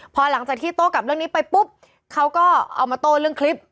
พอหลังจากที่โต้กับเรื่องนี้ไปปุ๊บเขาก็เอามาโต้เรื่องคลิป